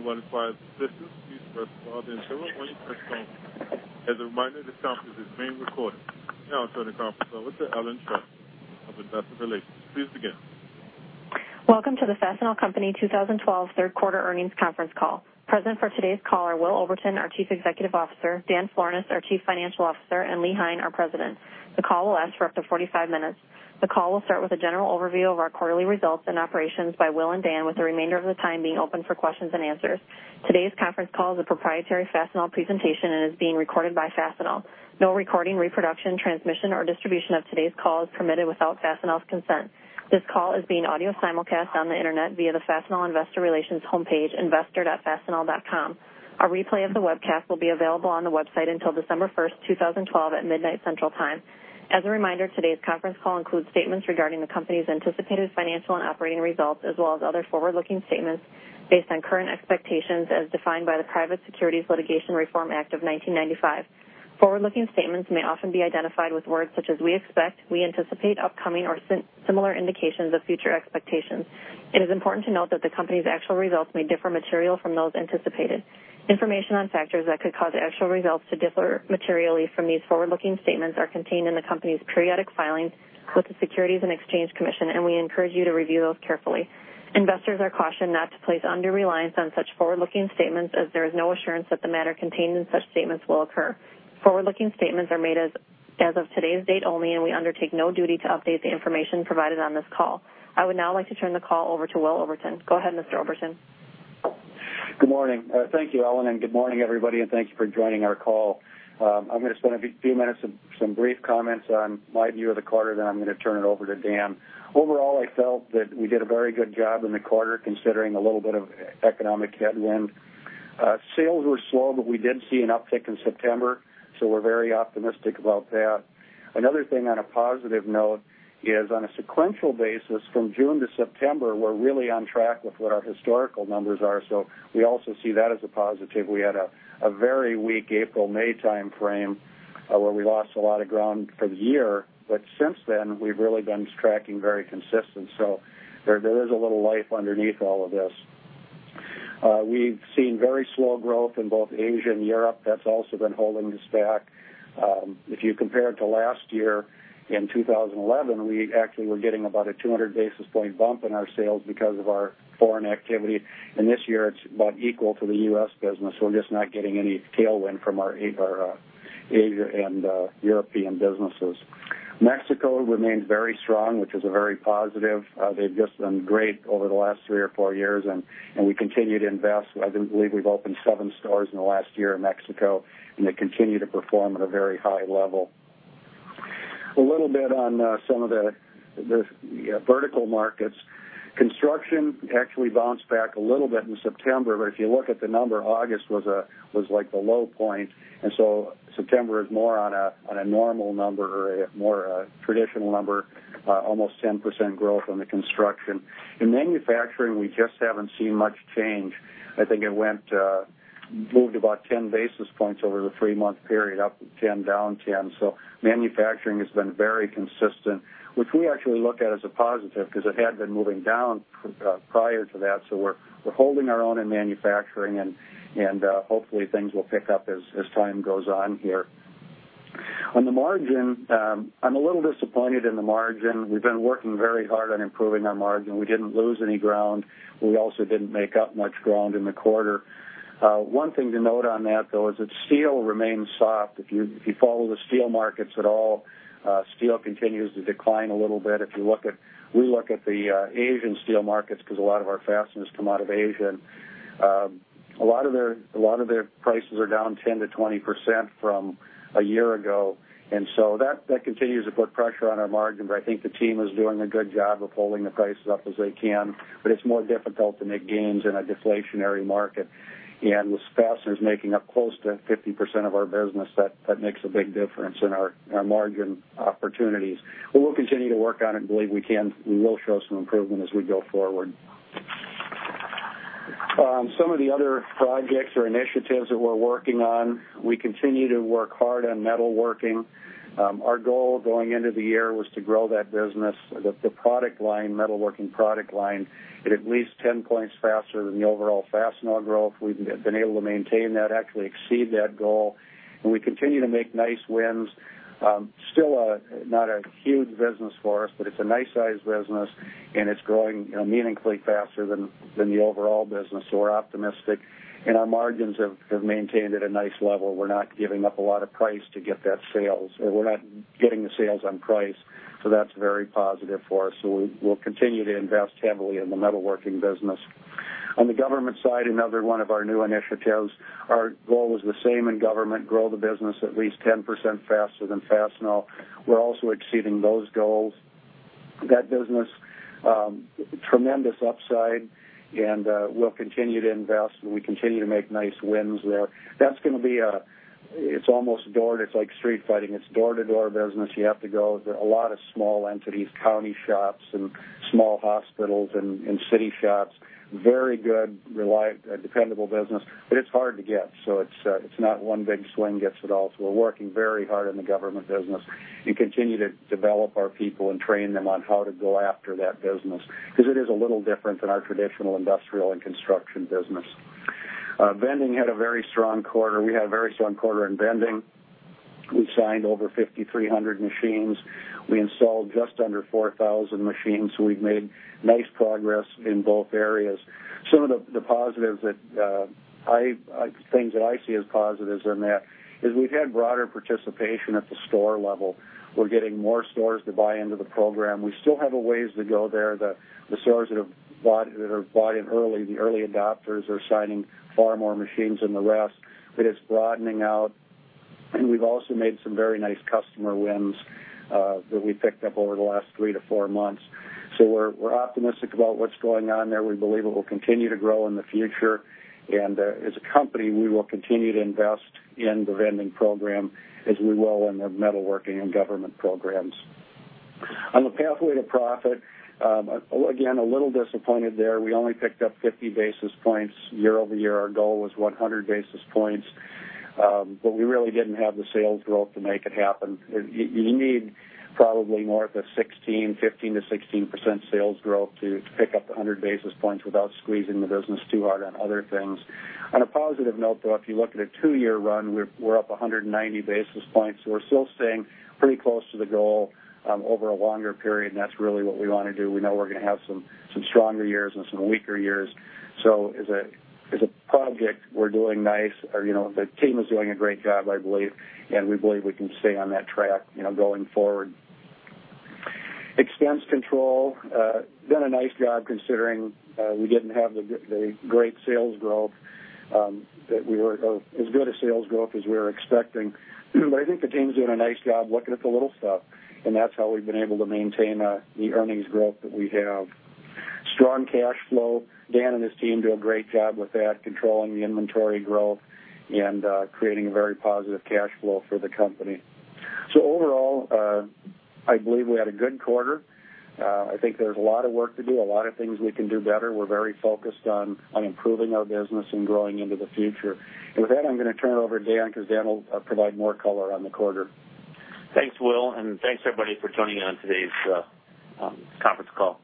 If anyone requires assistance, please press star then zero on your touchtone. As a reminder, this conference is being recorded. Now I'll turn the conference over to Ellen Trautman of Investor Relations. Please begin. Welcome to The Fastenal Company 2012 third quarter earnings conference call. Present for today's call are Will Oberton, our Chief Executive Officer, Dan Florness, our Chief Financial Officer, and Lee Hein, our President. The call will last for up to 45 minutes. The call will start with a general overview of our quarterly results and operations by Will and Dan with the remainder of the time being open for questions and answers. Today's conference call is a proprietary Fastenal presentation and is being recorded by Fastenal. No recording, reproduction, transmission, or distribution of today's call is permitted without Fastenal's consent. This call is being audio simulcast on the internet via the Fastenal Investor Relations homepage, investor.fastenal.com. A replay of the webcast will be available on the website until December 1st, 2012, at midnight Central Time. As a reminder, today's conference call includes statements regarding the company's anticipated financial and operating results, as well as other forward-looking statements based on current expectations as defined by the Private Securities Litigation Reform Act of 1995. Forward-looking statements may often be identified with words such as "we expect," "we anticipate," "upcoming," or similar indications of future expectations. It is important to note that the company's actual results may differ materially from those anticipated. Information on factors that could cause actual results to differ materially from these forward-looking statements are contained in the company's periodic filings with the Securities and Exchange Commission, and we encourage you to review those carefully. Investors are cautioned not to place undue reliance on such forward-looking statements as there is no assurance that the matter contained in such statements will occur. Forward-looking statements are made as of today's date only, and we undertake no duty to update the information provided on this call. I would now like to turn the call over to Will Oberton. Go ahead, Mr. Oberton. Good morning. Thank you, Ellen, and good morning, everybody, and thanks for joining our call. I'm going to spend a few minutes on some brief comments on my view of the quarter. I'm going to turn it over to Dan. Overall, I felt that we did a very good job in the quarter considering a little bit of economic headwind. Sales were slow, but we did see an uptick in September. We're very optimistic about that. Another thing on a positive note is, on a sequential basis from June to September, we're really on track with what our historical numbers are. We also see that as a positive. We had a very weak April/May timeframe, where we lost a lot of ground for the year. Since then, we've really been tracking very consistent. There is a little life underneath all of this. We've seen very slow growth in both Asia and Europe. That's also been holding us back. If you compare it to last year, in 2011, we actually were getting about a 200 basis point bump in our sales because of our foreign activity. This year, it's about equal to the U.S. business. We're just not getting any tailwind from our Asia and European businesses. Mexico remains very strong, which is very positive. They've just done great over the last three or four years, and we continue to invest. I believe we've opened seven stores in the last year in Mexico, and they continue to perform at a very high level. A little bit on some of the vertical markets. Construction actually bounced back a little bit in September. If you look at the number, August was the low point. September is more on a normal number or a more traditional number, almost 10% growth on the construction. In manufacturing, we just haven't seen much change. I think it moved about 10 basis points over the three-month period, up 10, down 10. Manufacturing has been very consistent, which we actually look at as a positive because it had been moving down prior to that. We're holding our own in manufacturing, and hopefully things will pick up as time goes on here. On the margin, I'm a little disappointed in the margin. We've been working very hard on improving our margin. We didn't lose any ground. We also didn't make up much ground in the quarter. One thing to note on that, though, is that steel remains soft. If you follow the steel markets at all, steel continues to decline a little bit. We look at the Asian steel markets because a lot of our fasteners come out of Asia, and a lot of their prices are down 10%-20% from a year ago. That continues to put pressure on our margin, but I think the team is doing a good job of holding the prices up as they can, but it's more difficult to make gains in a deflationary market. With fasteners making up close to 50% of our business, that makes a big difference in our margin opportunities. We'll continue to work on it and believe we will show some improvement as we go forward. Some of the other projects or initiatives that we're working on, we continue to work hard on metalworking. Our goal going into the year was to grow that business, the metalworking product line, at least 10 points faster than the overall Fastenal growth. We've been able to maintain that, actually exceed that goal, and we continue to make nice wins. Still not a huge business for us, but it's a nice-sized business, and it's growing meaningfully faster than the overall business. We're optimistic, and our margins have maintained at a nice level. We're not giving up a lot of price to get that sales, or we're not getting the sales on price. That's very positive for us. We'll continue to invest heavily in the metalworking business. On the government side, another one of our new initiatives, our goal was the same in government, grow the business at least 10% faster than Fastenal. We're also exceeding those goals. That business, tremendous upside, and we'll continue to invest, and we continue to make nice wins there. It's like street fighting. It's door-to-door business. You have to go. There are a lot of small entities, county shops, and small hospitals and city shops. Very good, reliable, dependable business, but it's hard to get. It's not one big swing gets it all. We're working very hard on the government business and continue to develop our people and train them on how to go after that business because it is a little different than our traditional industrial and construction business. Vending had a very strong quarter. We had a very strong quarter in Vending. We signed over 5,300 machines. We installed just under 4,000 machines. We've made nice progress in both areas. Some of the things that I see as positives in that is we've had broader participation at the store level. We're getting more stores to buy into the program. We still have a ways to go there. The stores that have bought in early, the early adopters are signing far more machines than the rest, but it's broadening out. We've also made some very nice customer wins that we picked up over the last three to four months. We're optimistic about what's going on there. We believe it will continue to grow in the future, and as a company, we will continue to invest in the Vending program as we will in the metalworking and government programs. On the Pathway to Profit, again, a little disappointed there. We only picked up 50 basis points year-over-year. Our goal was 100 basis points. We really didn't have the sales growth to make it happen. You need probably more of a 15%-16% sales growth to pick up 100 basis points without squeezing the business too hard on other things. On a positive note, though, if you look at a two-year run, we're up 190 basis points. We're still staying pretty close to the goal over a longer period, and that's really what we want to do. We know we're going to have some stronger years and some weaker years. As a project, we're doing nice. The team is doing a great job, I believe, and we believe we can stay on that track going forward. Expense control, done a nice job considering we didn't have the great sales growth, as good a sales growth as we were expecting. I think the team's doing a nice job looking at the little stuff, and that's how we've been able to maintain the earnings growth that we have. Strong cash flow. Dan and his team do a great job with that, controlling the inventory growth and creating a very positive cash flow for the company. Overall, I believe we had a good quarter. I think there's a lot of work to do, a lot of things we can do better. We're very focused on improving our business and growing into the future. With that, I'm going to turn it over to Dan, because Dan will provide more color on the quarter. Thanks, Will, and thanks, everybody, for joining on today's conference call.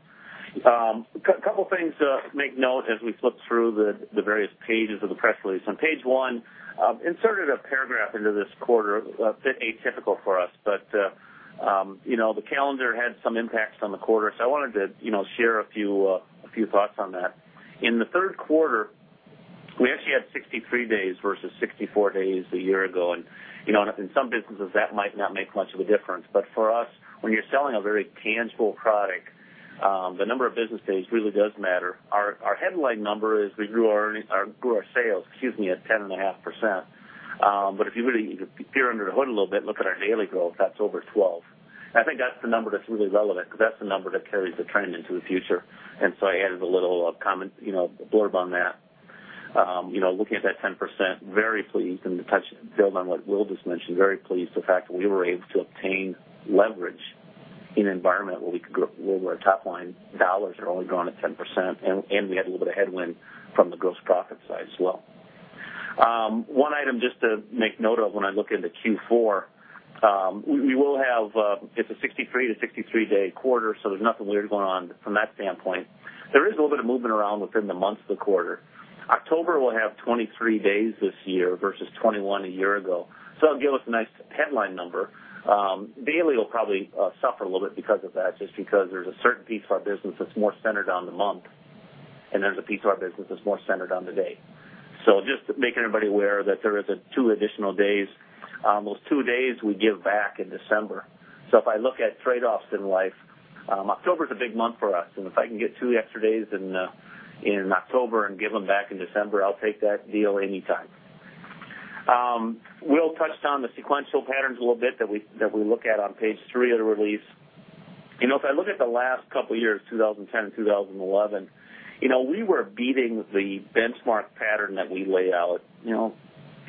A couple things to make note as we flip through the various pages of the press release. On page one, inserted a paragraph into this quarter, a bit atypical for us, but the calendar had some impacts on the quarter, so I wanted to share a few thoughts on that. In the third quarter, we actually had 63 days versus 64 days a year ago. In some businesses, that might not make much of a difference. But for us, when you're selling a very tangible product, the number of business days really does matter. Our headline number is we grew our sales at 10.5%. If you really peer under the hood a little bit and look at our daily growth, that's over 12. I think that's the number that's really relevant because that's the number that carries the trend into the future. I added a little comment blurb on that. Looking at that 10%, very pleased, and to build on what Will just mentioned, very pleased with the fact that we were able to obtain leverage in an environment where top-line dollars are only growing at 10%, and we had a little bit of headwind from the gross profit side as well. One item just to make note of when I look into Q4, it's a 63-to-63-day quarter, so there's nothing weird going on from that standpoint. There is a little bit of movement around within the months of the quarter. October will have 23 days this year versus 21 a year ago. That'll give us a nice headline number. Daily will probably suffer a little bit because of that, just because there's a certain piece of our business that's more centered on the month, and there's a piece of our business that's more centered on the day. Just to make everybody aware that there is two additional days. Those two days we give back in December. If I look at trade-offs in life, October's a big month for us, and if I can get two extra days in October and give them back in December, I'll take that deal anytime. Will touched on the sequential patterns a little bit that we look at on page three of the release. If I look at the last couple of years, 2010 and 2011, we were beating the benchmark pattern that we lay out 50%,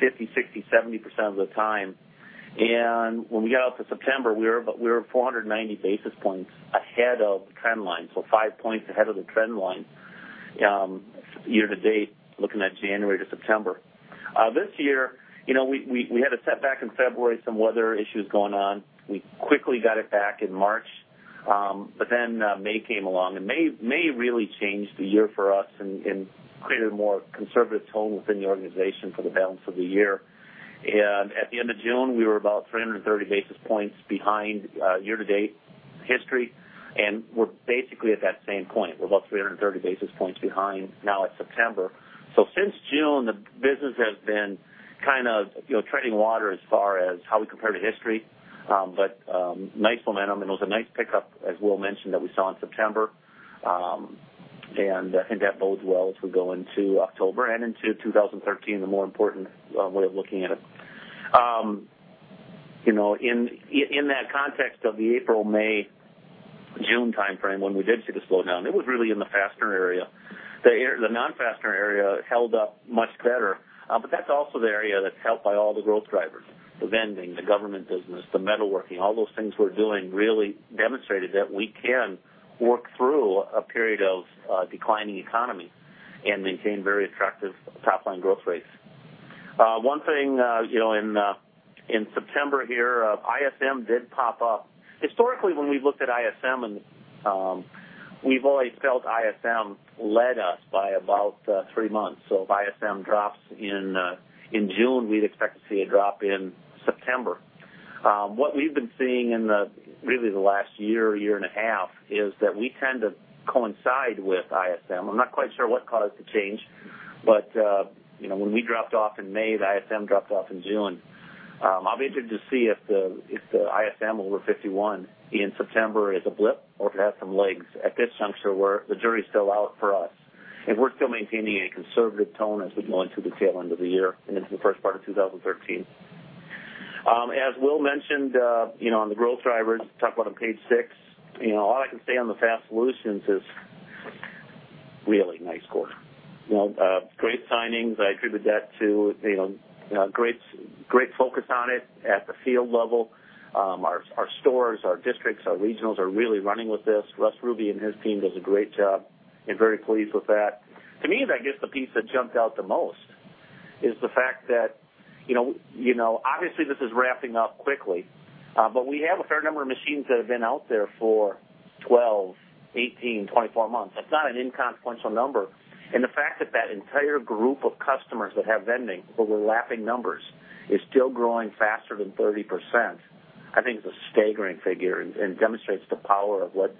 60%, 70% of the time. When we got up to September, we were 490 basis points ahead of the trend line. Five points ahead of the trend line year-to-date, looking at January to September. This year, we had a setback in February, some weather issues going on. We quickly got it back in March. May came along, and May really changed the year for us and created a more conservative tone within the organization for the balance of the year. At the end of June, we were about 330 basis points behind year-to-date history, and we're basically at that same point. We're about 330 basis points behind now at September. Since June, the business has been treading water as far as how we compare to history. Nice momentum, and it was a nice pickup, as Will mentioned, that we saw in September. I think that bodes well as we go into October and into 2013, the more important way of looking at it. In that context of the April, May, June timeframe, when we did see the slowdown, it was really in the fastener area. The non-fastener area held up much better. That's also the area that's helped by all the growth drivers, the Vending, the government business, the metalworking. All those things we're doing really demonstrated that we can work through a period of declining economy and maintain very attractive top-line growth rates. One thing in September here, ISM did pop up. Historically, when we've looked at ISM, we've always felt ISM led us by about three months. If ISM drops in June, we'd expect to see a drop in September. What we've been seeing in really the last year and a half, is that we tend to coincide with ISM. I'm not quite sure what caused the change, when we dropped off in May, the ISM dropped off in June. I'll be interested to see if the ISM over 51 in September is a blip or if it has some legs. At this juncture, the jury is still out for us, and we're still maintaining a conservative tone as we go into the tail end of the year and into the first part of 2013. As Will mentioned on the growth drivers, talk about on page six. All I can say on the FAST Solutions is really nice quarter. Great signings. I attribute that to great focus on it at the field level. Our stores, our districts, our regionals are really running with this. Russ Ruby and his team does a great job and very pleased with that. To me, I guess the piece that jumped out the most is the fact that, obviously this is wrapping up quickly, but we have a fair number of machines that have been out there for 12, 18, 24 months. That's not an inconsequential number. The fact that that entire group of customers that have Vending, who were lapping numbers, is still growing faster than 30%, I think is a staggering figure and demonstrates the power of what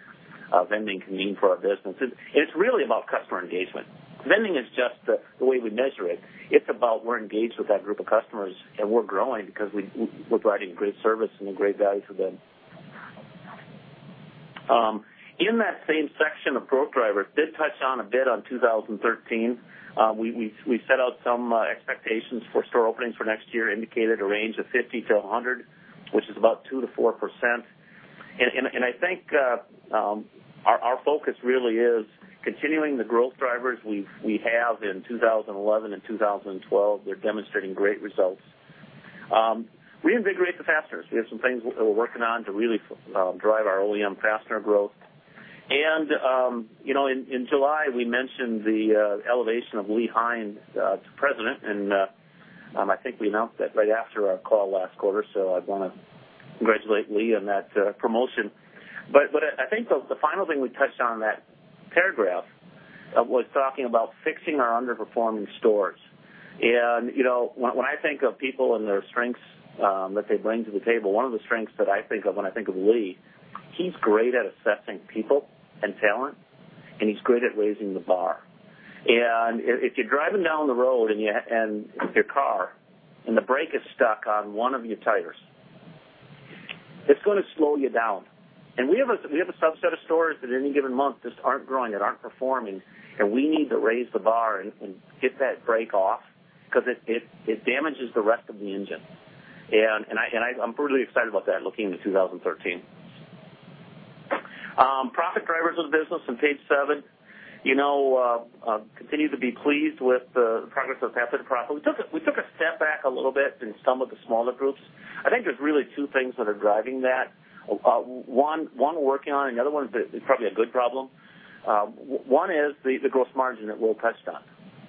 Vending can mean for our business. It's really about customer engagement. Vending is just the way we measure it. It's about we're engaged with that group of customers, and we're growing because we're providing great service and a great value for them. In that same section of growth drivers, did touch on a bit on 2013. We set out some expectations for store openings for next year, indicated a range of 50 to 100, which is about 2%-4%. I think our focus really is continuing the growth drivers we have in 2011 and 2012. They're demonstrating great results. We invigorate the fasteners. We have some things that we're working on to really drive our OEM fastener growth. In July, we mentioned the elevation of Lee Hein to President. I think we announced that right after our call last quarter, so I want to congratulate Lee on that promotion. I think the final thing we touched on that paragraph was talking about fixing our underperforming stores. When I think of people and their strengths that they bring to the table, one of the strengths that I think of when I think of Lee, he's great at assessing people and talent, and he's great at raising the bar. If you're driving down the road in your car and the brake is stuck on one of your tires, it's going to slow you down. We have a subset of stores that any given month just aren't growing, that aren't performing, and we need to raise the bar and get that brake off because it damages the rest of the engine. I'm brutally excited about that looking into 2013. Profit drivers of the business on page seven. Continue to be pleased with the progress of Pathway to Profit. We took a step back a little bit in some of the smaller groups. I think there's really two things that are driving that. One, we're working on, and the other one is probably a good problem. One is the gross margin that Will touched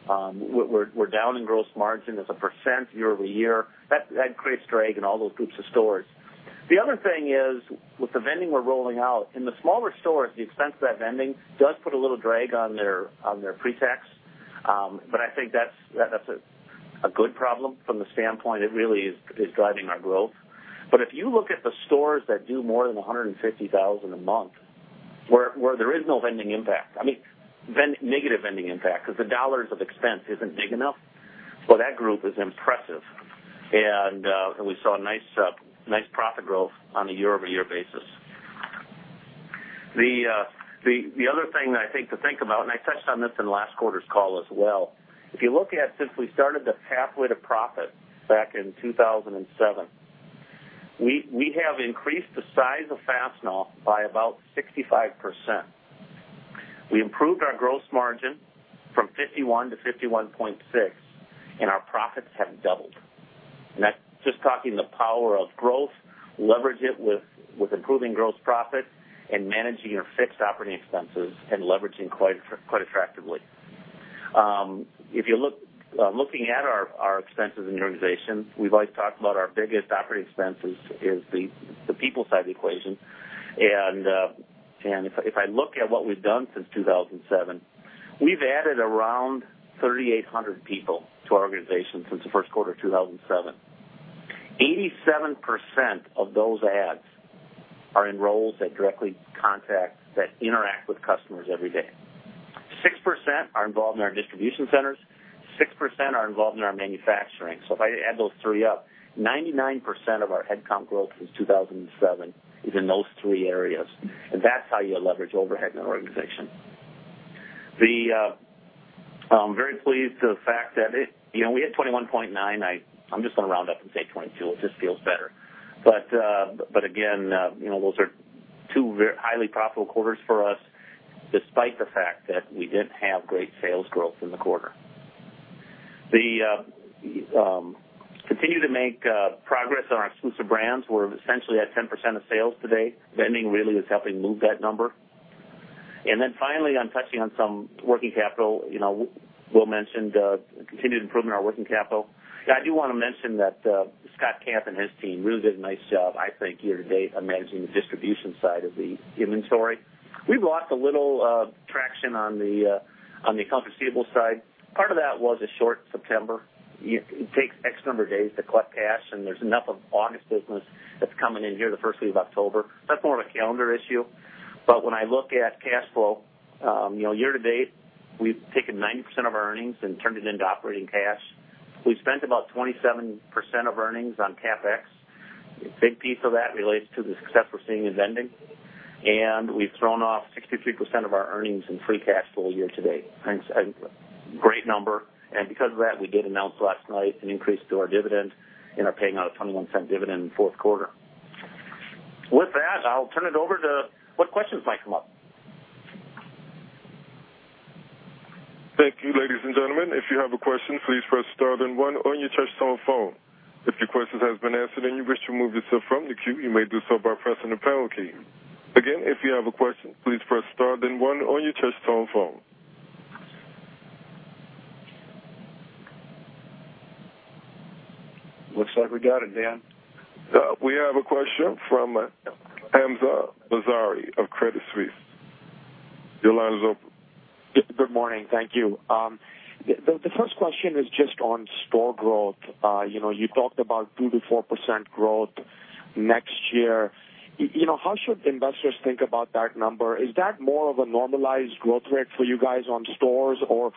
on. We're down in gross margin as a percent year-over-year. That creates drag in all those groups of stores. The other thing is with the Vending we're rolling out, in the smaller stores, the expense of that Vending does put a little drag on their pretax. I think that's a good problem from the standpoint it really is driving our growth. If you look at the stores that do more than $150,000 a month, where there is no Vending impact, negative Vending impact, because the dollars of expense isn't big enough, well, that group is impressive. We saw nice profit growth on a year-over-year basis. The other thing that I think to think about, I touched on this in last quarter's call as well. If you look at since we started the Pathway to Profit back in 2007, we have increased the size of Fastenal by about 65%. We improved our gross margin from 51%-51.6%, and our profits have doubled. That's just talking the power of growth, leverage it with improving gross profit and managing our fixed operating expenses and leveraging quite effectively. Looking at our expenses in the organization, we've always talked about our biggest operating expenses is the people side of the equation. If I look at what we've done since 2007, we've added around 3,800 people to our organization since the first quarter of 2007. 87% of those adds are in roles that directly contact, that interact with customers every day. 6% are involved in our distribution centers, 6% are involved in our manufacturing. If I add those three up, 99% of our headcount growth since 2007 is in those three areas. That's how you leverage overhead in an organization. I'm very pleased with the fact that we had 21.9. I'm just going to round up and say 22. It just feels better. Again, those are two highly profitable quarters for us, despite the fact that we didn't have great sales growth in the quarter. Continue to make progress on our exclusive brands. We're essentially at 10% of sales today. Vending really is helping move that number. Finally, on touching on some working capital, Will mentioned continued improvement in our working capital. I do want to mention that Scott Camp and his team really did a nice job, I think, year-to-date on managing the distribution side of the inventory. We've lost a little traction on the accounts receivable side. Part of that was a short September. It takes X number of days to collect cash, and there's enough of August business that's coming in here the first week of October. That's more of a calendar issue. When I look at cash flow, year-to-date, we've taken 90% of our earnings and turned it into operating cash. We spent about 27% of earnings on CapEx. A big piece of that relates to the success we're seeing in Vending. We've thrown off 63% of our earnings in free cash flow year-to-date. Great number, because of that, we did announce last night an increase to our dividend and are paying out a $0.21 dividend in the fourth quarter. With that, I'll turn it over to what questions might come up. Thank you. Ladies and gentlemen, if you have a question, please press star then one on your touch-tone phone. If your question has been answered and you wish to remove yourself from the queue, you may do so by pressing the pound key. Again, if you have a question, please press star then one on your touch-tone phone. Looks like we got it, Dan. We have a question from Hamzah Mazari of Credit Suisse. Your line is open. Good morning. Thank you. The first question is just on store growth. You talked about 2%-4% growth next year. How should investors think about that number? Is that more of a normalized growth rate for you guys on stores, or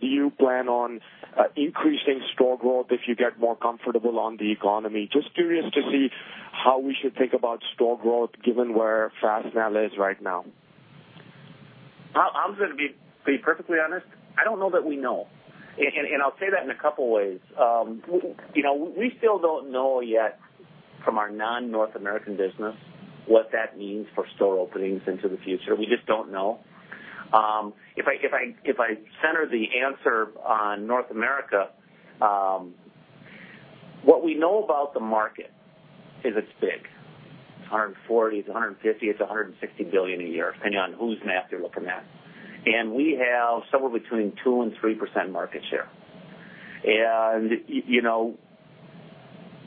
do you plan on increasing store growth if you get more comfortable on the economy? Just curious to see how we should think about store growth given where Fastenal is right now. Hamzah, to be perfectly honest, I don't know that we know. I'll say that in a couple ways. We still don't know yet from our non-North American business what that means for store openings into the future. We just don't know. If I center the answer on North America, what we know about the market is it's big. It's $140 billion, it's $150 billion, it's $160 billion a year, depending on whose math you're looking at. We have somewhere between 2% and 3% market share.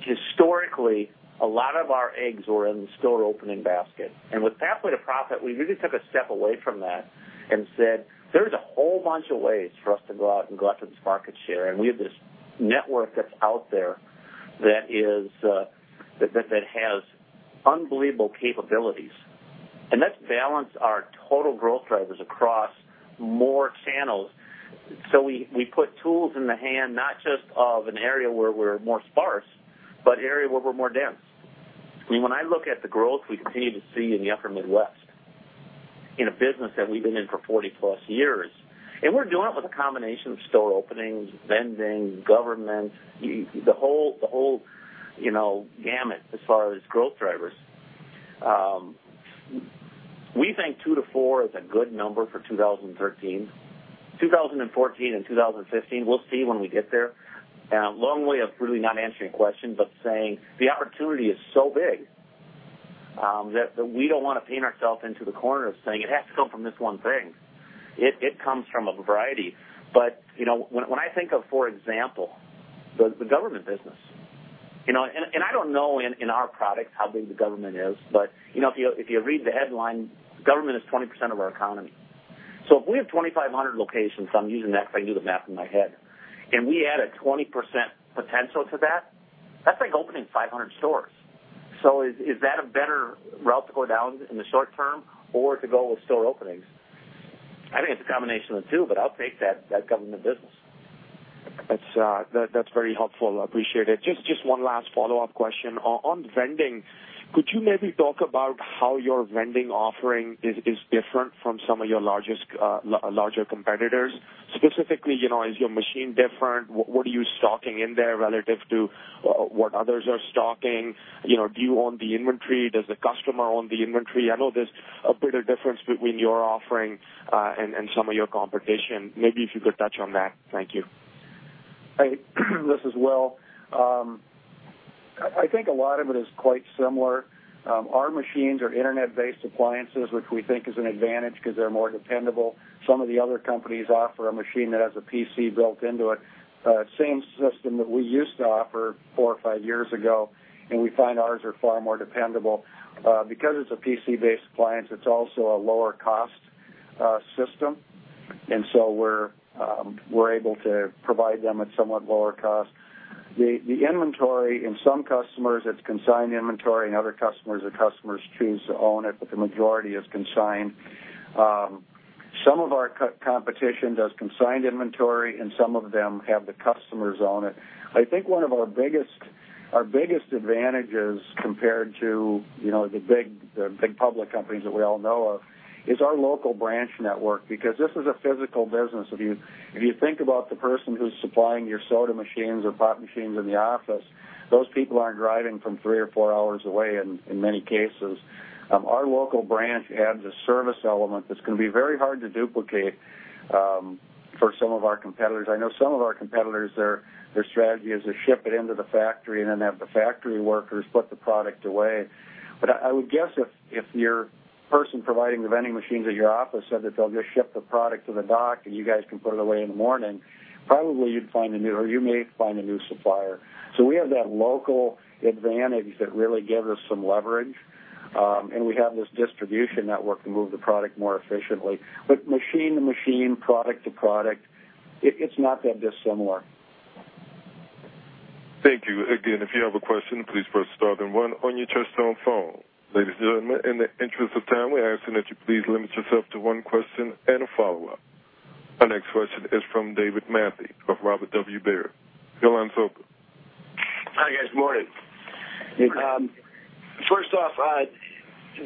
Historically, a lot of our eggs were in the store opening basket. With Pathway to Profit, we really took a step away from that and said, there's a whole bunch of ways for us to go out and go after this market share, and we have this network that's out there that has unbelievable capabilities. Let's balance our total growth drivers across more channels. We put tools in the hand, not just of an area where we're more sparse, but area where we're more dense. When I look at the growth we continue to see in the upper Midwest, in a business that we've been in for 40-plus years, and we're doing it with a combination of store openings, Vending, government, the whole gamut as far as growth drivers. We think two to four is a good number for 2013. 2014 and 2015, we'll see when we get there. A long way of really not answering questions, but saying the opportunity is so big, that we don't want to paint ourselves into the corner of saying it has to come from this one thing. It comes from a variety. When I think of, for example, the government business, and I don't know in our products how big the government is, but if you read the headline, government is 20% of our economy. If we have 2,500 locations, I'm using that because I can do the math in my head, and we add a 20% potential to that's like opening 500 stores. Is that a better route to go down in the short term or to go with store openings? I think it's a combination of the two, but I'll take that government business. That's very helpful. Appreciate it. Just one last follow-up question. On Vending, could you maybe talk about how your Vending offering is different from some of your larger competitors? Specifically, is your machine different? What are you stocking in there relative to what others are stocking? Do you own the inventory? Does the customer own the inventory? I know there's a bit of difference between your offering and some of your competition. Maybe if you could touch on that. Thank you. This is Will. I think a lot of it is quite similar. Our machines are internet-based appliances, which we think is an advantage because they're more dependable. Some of the other companies offer a machine that has a PC built into it. Same system that we used to offer four or five years ago, and we find ours are far more dependable. Because it's a PC-based appliance, it's also a lower cost system, and so we're able to provide them at somewhat lower cost. The inventory in some customers, it's consigned inventory, and other customers, the customers choose to own it, but the majority is consigned. Some of our competition does consigned inventory and some of them have the customers own it. I think one of our biggest advantages compared to the big public companies that we all know of is our local branch network, because this is a physical business. If you think about the person who's supplying your soda machines or pop machines in the office, those people aren't driving from three or four hours away in many cases. Our local branch adds a service element that's going to be very hard to duplicate for some of our competitors. I know some of our competitors, their strategy is to ship it into the factory and then have the factory workers put the product away. I would guess if your person providing the Vending machines at your office said that they'll just ship the product to the dock and you guys can put it away in the morning, probably you'd find a new, or you may find a new supplier. We have that local advantage that really gives us some leverage. We have this distribution network to move the product more efficiently. Machine to machine, product to product, it's not that dissimilar. Thank you. Again, if you have a question, please press star then one on your touchtone phone. Ladies and gentlemen, in the interest of time, we ask that you please limit yourself to one question and a follow-up. Our next question is from David Manthey of Robert W. Baird. Your line's open. Hi, guys. Morning. Good morning. First off,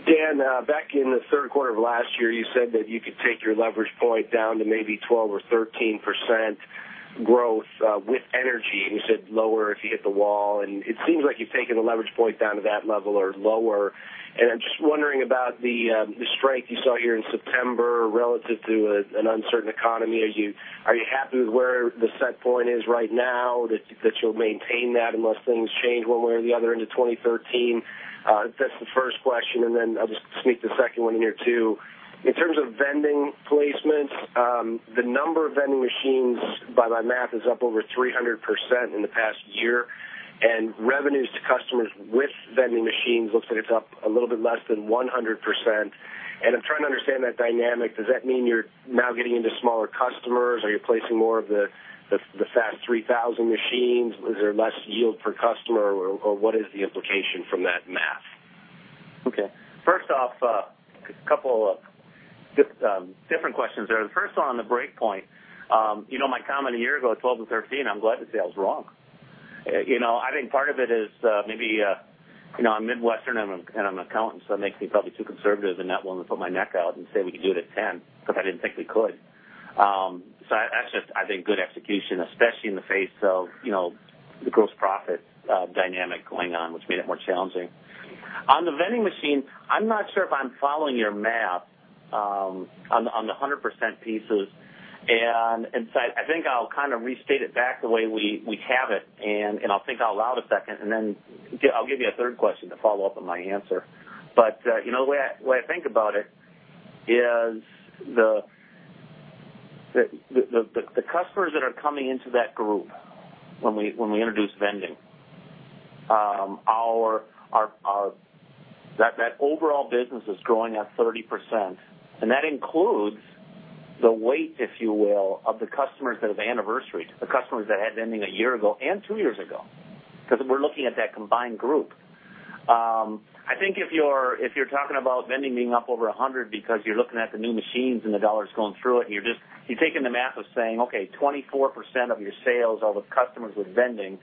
Dan, back in the third quarter of last year, you said that you could take your leverage point down to maybe 12% or 13% growth with energy, you said lower if you hit the wall. It seems like you've taken the leverage point down to that level or lower. I'm just wondering about the strike you saw here in September relative to an uncertain economy. Are you happy with where the set point is right now, that you'll maintain that unless things change one way or the other into 2013? That's the first question, then I'll just sneak the second one in here, too. In terms of Vending placements, the number of vending machines by my math is up over 300% in the past year, and revenues to customers with vending machines looks like it's up a little bit less than 100%. I'm trying to understand that dynamic. Does that mean you're now getting into smaller customers? Are you placing more of the FAST 3000 machines? Is there less yield per customer, or what is the implication from that math? Okay. First off, a couple of different questions there. The first one on the break point. My comment a year ago, 12 and 13, I'm glad to say I was wrong. I think part of it is maybe, I'm Midwestern and I'm an accountant, that makes me probably too conservative and not willing to put my neck out and say we can do it at ten, because I didn't think we could. That's just, I think, good execution, especially in the face of the gross profit dynamic going on, which made it more challenging. On the vending machine, I'm not sure if I'm following your math on the 100% pieces, I think I'll kind of restate it back the way we have it, I think out loud a second, then I'll give you a third question to follow up on my answer. The way I think about it is the customers that are coming into that group when we introduce Vending, that overall business is growing at 30%, and that includes the weight, if you will, of the customers that have anniversaried, the customers that had Vending a year ago and two years ago, because we're looking at that combined group. I think if you're talking about Vending being up over 100 because you're looking at the new machines and the dollars going through it, and you're taking the math of saying, okay, 24% of your sales are with customers with Vending,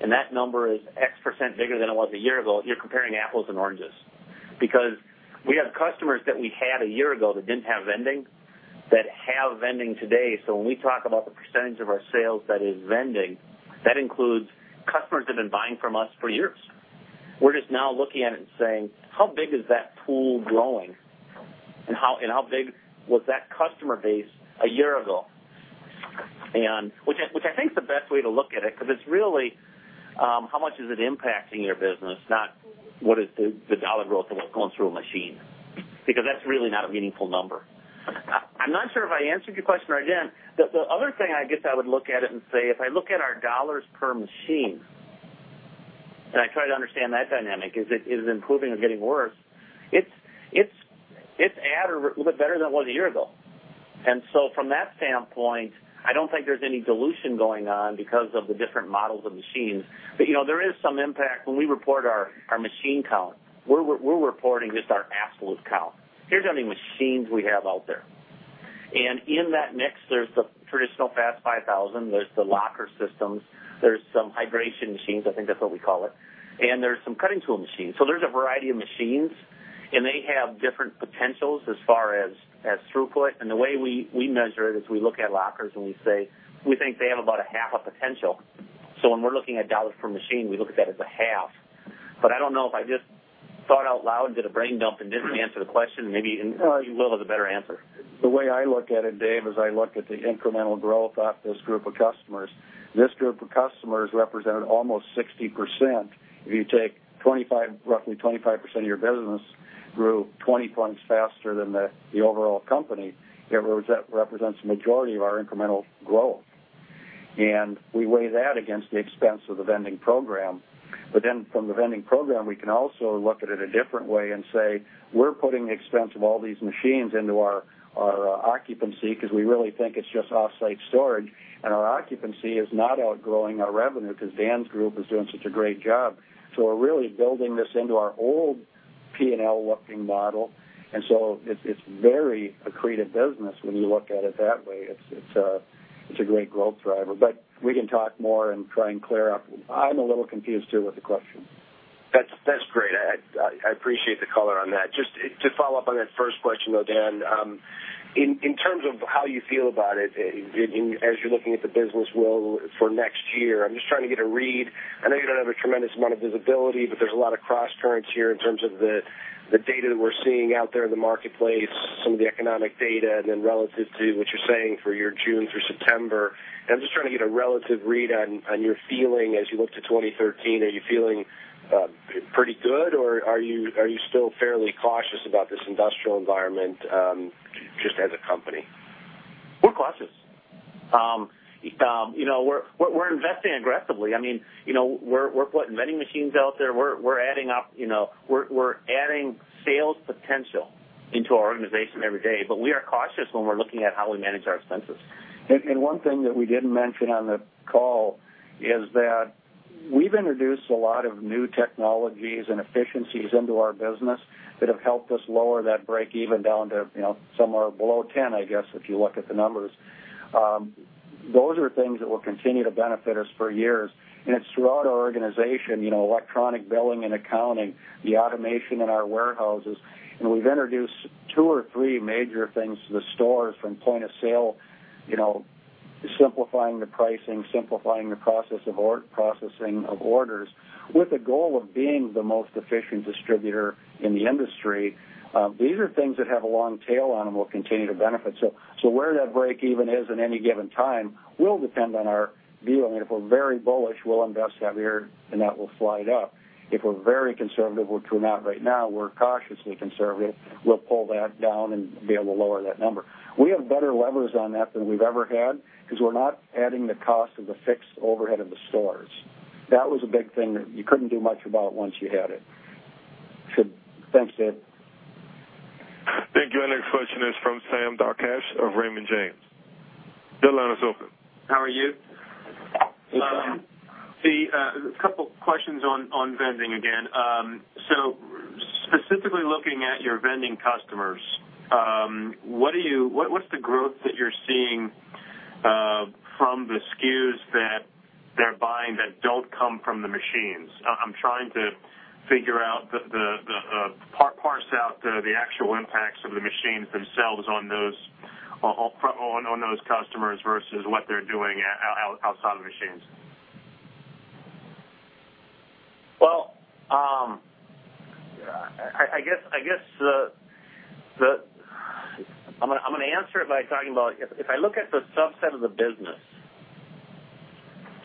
and that number is X% bigger than it was a year ago, you're comparing apples and oranges. Because we have customers that we had a year ago that didn't have Vending that have Vending today. When we talk about the percentage of our sales that is Vending, that includes customers that have been buying from us for years. We're just now looking at it and saying, how big is that pool growing? And how big was that customer base a year ago? Which I think is the best way to look at it, because it's really how much is it impacting your business, not what is the dollar growth of what's going through a machine, because that's really not a meaningful number. I'm not sure if I answered your question. The other thing, I guess, I would look at it and say, if I look at our dollars per machine, and I try to understand that dynamic, is it improving or getting worse? It's at or a little bit better than it was a year ago. From that standpoint, I don't think there's any dilution going on because of the different models of machines. There is some impact when we report our machine count. We're reporting just our absolute count. Here's how many machines we have out there. In that mix, there's the traditional FAST 5000, there's the locker systems, there's some hydration machines, I think that's what we call it, and there's some cutting tool machines. There's a variety of machines, and they have different potentials as far as throughput. The way we measure it is we look at lockers and we say we think they have about a half of potential. When we're looking at dollars per machine, we look at that as a half. I don't know if I just thought out loud and did a brain dump and didn't answer the question. Maybe Will has a better answer. The way I look at it, Dave, is I look at the incremental growth off this group of customers. This group of customers represented almost 60%. If you take roughly 25% of your business grew 20 points faster than the overall company, that represents the majority of our incremental growth. We weigh that against the expense of the Vending program. From the Vending program, we can also look at it a different way and say we're putting the expense of all these machines into our occupancy because we really think it's just off-site storage, and our occupancy is not outgrowing our revenue because Dan's group is doing such a great job. We're really building this into our old P&L looking model, it's very accretive business when you look at it that way. It's a great growth driver. We can talk more and try and clear up. I'm a little confused, too, with the question. That's great. I appreciate the color on that. Just to follow up on that first question, though, Dan, in terms of how you feel about it as you're looking at the business for next year, I'm just trying to get a read. I know you don't have a tremendous amount of visibility, but there's a lot of cross currents here in terms of the data that we're seeing out there in the marketplace, some of the economic data, then relative to what you're saying for your June through September. I'm just trying to get a relative read on your feeling as you look to 2013. Are you feeling pretty good, or are you still fairly cautious about this industrial environment just as a company? We're cautious. We're investing aggressively. We're putting Vending machines out there. We're adding sales potential into our organization every day, we are cautious when we're looking at how we manage our expenses. One thing that we didn't mention on the call is that we've introduced a lot of new technologies and efficiencies into our business that have helped us lower that break even down to somewhere below 10, I guess, if you look at the numbers. Those are things that will continue to benefit us for years, and it's throughout our organization, electronic billing and accounting, the automation in our warehouses. We've introduced two or three major things to the stores from point of sale, simplifying the pricing, simplifying the process of processing of orders, with the goal of being the most efficient distributor in the industry. These are things that have a long tail on them. We'll continue to benefit. Where that break even is at any given time will depend on our view. If we're very bullish, we'll invest heavier, and that will slide up. If we're very conservative, which we're not right now, we're cautiously conservative, we'll pull that down and be able to lower that number. We have better levers on that than we've ever had because we're not adding the cost of the fixed overhead of the stores. That was a big thing that you couldn't do much about once you had it. Thanks, Dave. Thank you. Our next question is from Sam Darkatsh of Raymond James. The line is open. How are you? Hey, Sam. A couple questions on Vending again. Specifically looking at your Vending customers, what's the growth that you're seeing from the SKUs that they're buying that don't come from the machines? I'm trying to figure out, parse out the actual impacts of the machines themselves on those customers versus what they're doing outside of the machines. I'm going to answer it by talking about, if I look at the subset of the business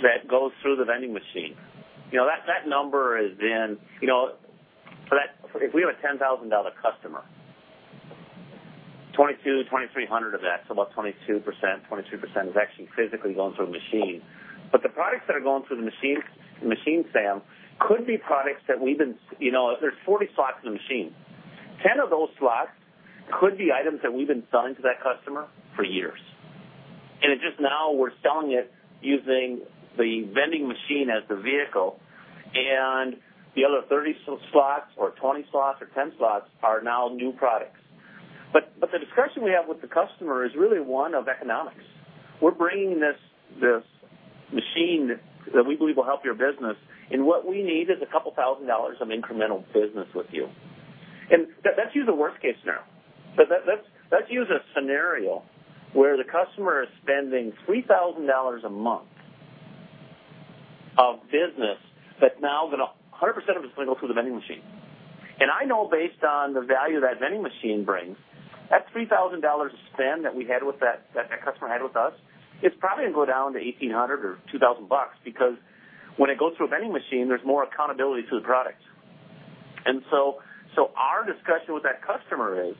that goes through the Vending machine, that number is if we have a $10,000 customer, $2,200-$2,300 of that, so about 22%, is actually physically going through a machine. The products that are going through the machine, Sam, could be products that we've been there's 40 slots in the machine. 10 of those slots could be items that we've been selling to that customer for years. It's just now we're selling it using the Vending machine as the vehicle. The other 30 slots or 20 slots or 10 slots are now new products. The discussion we have with the customer is really one of economics. We're bringing this machine that we believe will help your business, and what we need is a couple thousand dollars of incremental business with you. Let's use the worst case now. Let's use a scenario where the customer is spending $3,000 a month of business, but now 100% of it is going to go through the Vending machine. I know based on the value that Vending machine brings, that $3,000 of spend that customer had with us, it's probably going to go down to $1,800 or $2,000 because when it goes through a Vending machine, there's more accountability to the products. Our discussion with that customer is,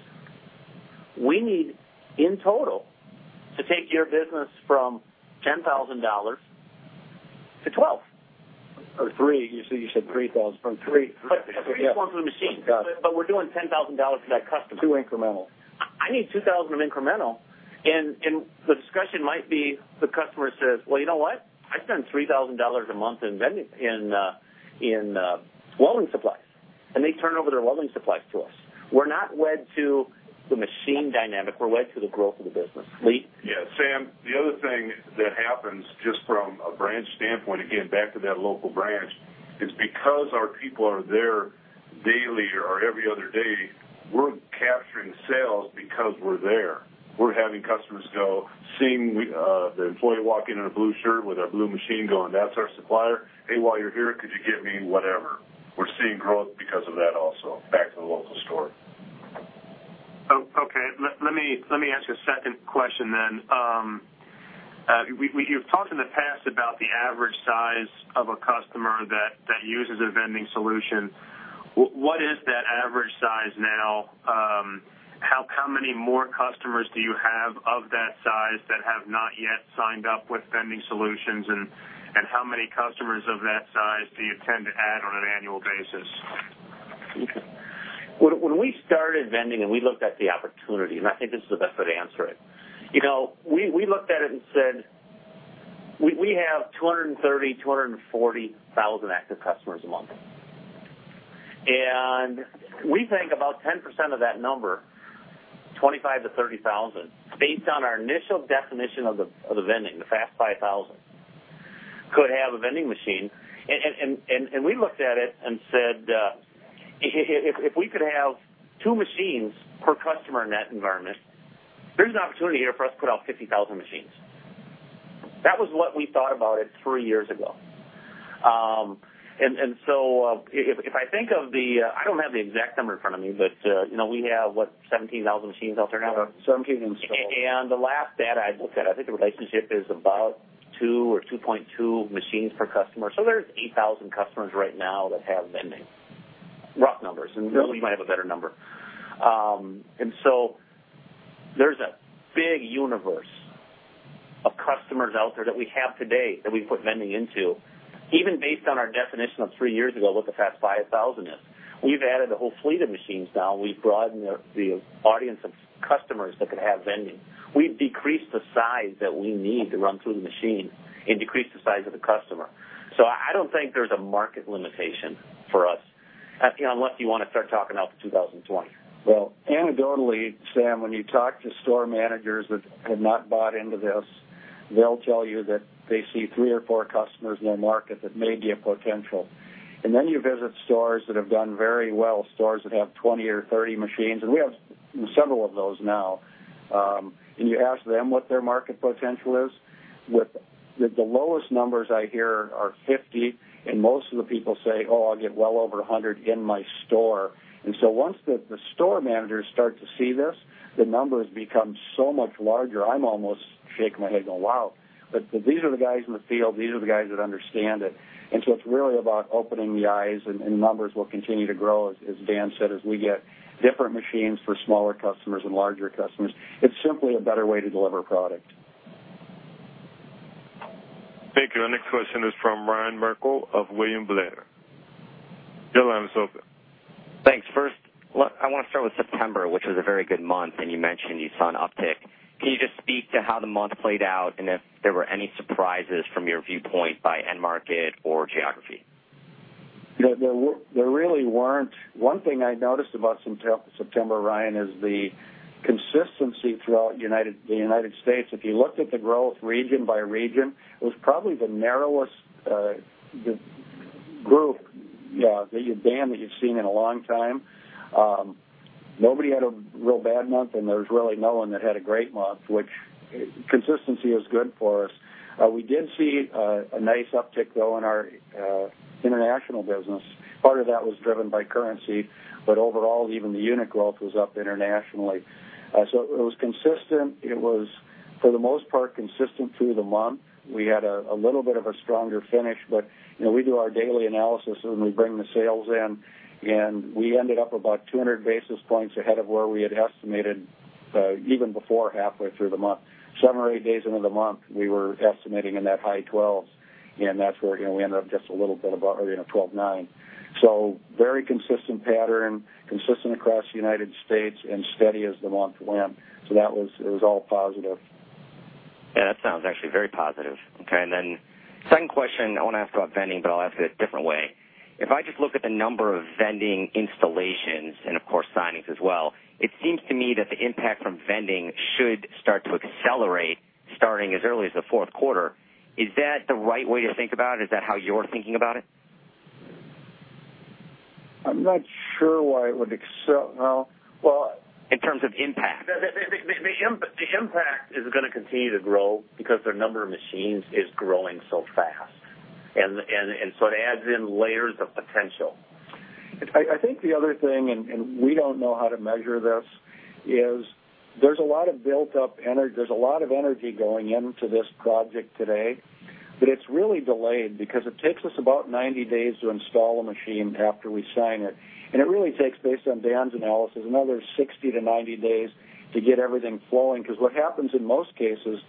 we need, in total, to take your business from $10,000-$12,000. Three. You said $3,000. Three is going through the machine. Got it. We're doing $10,000 for that customer. Two incremental. I need $2,000 of incremental. The discussion might be, the customer says, "Well, you know what? I spend $3,000 a month in welding supplies." They turn over their welding supplies to us. We're not led to the machine dynamic. We're led to the growth of the business. Lee? Yeah, Sam, the other thing that happens just from a branch standpoint, again, back to that local branch, is because our people are there daily or every other day, we're capturing sales because we're there. We're having customers go, seeing the employee walk in in a blue shirt with our blue machine going, "That's our supplier. Hey, while you're here, could you get me whatever?" We're seeing growth because of that also, back to the local store. Okay. Let me ask you a second question. You've talked in the past about the average size of a customer that uses a Vending solution. What is that average size now? How many more customers do you have of that size that have not yet signed up with Vending solutions, and how many customers of that size do you tend to add on an annual basis? Okay. When we started Vending and we looked at the opportunity, and I think this is the best way to answer it. We looked at it and said, we have 230,000, 240,000 active customers a month. We think about 10% of that number, 25,000 to 30,000, based on our initial definition of the Vending, the FAST 5000 could have a vending machine. We looked at it and said, if we could have two machines per customer in that environment, there's an opportunity here for us to put out 50,000 machines. That was what we thought about it three years ago. If I think of the, I don't have the exact number in front of me, but we have, what, 17,000 machines out there now? Yeah, 17 and some. The last data I looked at, I think the relationship is about two or 2.2 machines per customer. There's 8,000 customers right now that have Vending. Rough numbers, and Billy might have a better number. There's a big universe of customers out there that we have today that we put Vending into. Even based on our definition of three years ago, look at that 5,000 is. We've added a whole fleet of machines now. We've broadened the audience of customers that could have Vending. We've decreased the size that we need to run through the machine and decreased the size of the customer. I don't think there's a market limitation for us, unless you want to start talking out to 2020. Well, anecdotally, Sam, when you talk to store managers that have not bought into this, they'll tell you that they see three or four customers in the market that may be a potential. You visit stores that have done very well, stores that have 20 or 30 machines, and we have several of those now, and you ask them what their market potential is. The lowest numbers I hear are 50, and most of the people say, "Oh, I'll get well over 100 in my store." Once the store managers start to see this, the numbers become so much larger, I'm almost shaking my head going, "Wow." These are the guys in the field, these are the guys that understand it. It's really about opening the eyes and numbers will continue to grow, as Dan said, as we get different machines for smaller customers and larger customers. It's simply a better way to deliver product. Thank you. Our next question is from Ryan Merkel of William Blair. Your line is open. Thanks. First, I want to start with September, which was a very good month, and you mentioned you saw an uptick. Can you just speak to how the month played out and if there were any surprises from your viewpoint by end market or geography? There really weren't. One thing I noticed about September, Ryan, is the consistency throughout the U.S. If you looked at the growth region by region, it was probably the narrowest group, Dan, that you've seen in a long time. Nobody had a real bad month, and there was really no one that had a great month, which consistency is good for us. We did see a nice uptick, though, in our international business. Part of that was driven by currency, but overall, even the unit growth was up internationally. It was consistent. It was, for the most part, consistent through the month. We had a little bit of a stronger finish, but we do our daily analysis when we bring the sales in, and we ended up about 200 basis points ahead of where we had estimated, even before halfway through the month. Seven or eight days into the month, we were estimating in that high 12s, and that's where we ended up just a little bit above 12.9. Very consistent pattern, consistent across the United States and steady as the month went. That was all positive. Yeah, that sounds actually very positive. Okay, second question, I want to ask about Vending, but I'll ask it a different way. If I just look at the number of Vending installations, and of course, signings as well, it seems to me that the impact from Vending should start to accelerate starting as early as the fourth quarter. Is that the right way to think about it? Is that how you're thinking about it? I'm not sure why it would. In terms of impact. The impact is going to continue to grow because the number of machines is growing so fast. It adds in layers of potential. I think the other thing, and we don't know how to measure this, is there's a lot of energy going into this project today, but it's really delayed because it takes us about 90 days to install a machine after we sign it. It really takes, based on Dan's analysis, another 60 to 90 days to get everything flowing, because what happens in most cases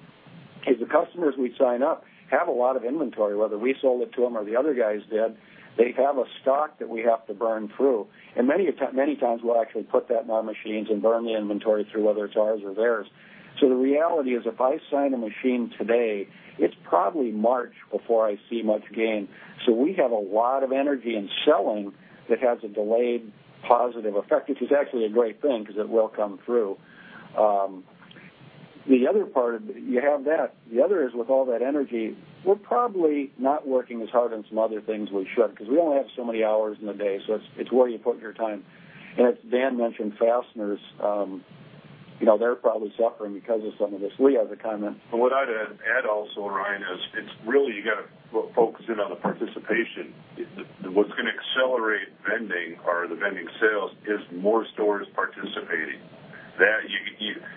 is the customers we sign up have a lot of inventory, whether we sold it to them or the other guys did, they have a stock that we have to burn through. Many times, we'll actually put that in our machines and burn the inventory through, whether it's ours or theirs. The reality is, if I sign a machine today, it's probably March before I see much gain. We have a lot of energy in selling that has a delayed positive effect, which is actually a great thing because it will come through. You have that. The other is with all that energy, we're probably not working as hard on some other things we should, because we only have so many hours in the day, so it's where you put your time. As Dan mentioned, fasteners, they're probably suffering because of some of this. Lee has a comment. What I'd add also, Ryan, is it's really you got to focus in on the participation. What's going to accelerate Vending or the Vending sales is more stores participating.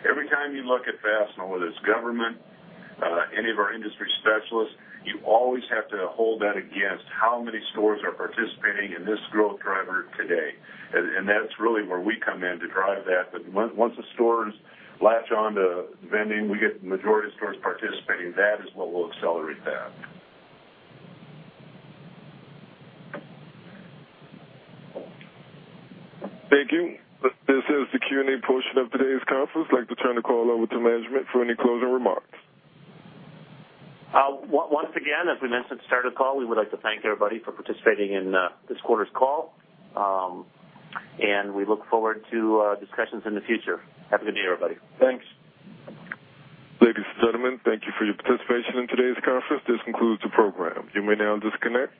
Every time you look at Fastenal, whether it's government, any of our industry specialists, you always have to hold that against how many stores are participating in this growth driver today. That's really where we come in to drive that. Once the stores latch on to Vending, we get the majority of stores participating. That is what will accelerate that. Thank you. This is the Q&A portion of today's conference. I'd like to turn the call over to management for any closing remarks. Once again, as we mentioned at the start of the call, we would like to thank everybody for participating in this quarter's call. We look forward to discussions in the future. Have a good day, everybody. Thanks. Ladies and gentlemen, thank you for your participation in today's conference. This concludes the program. You may now disconnect.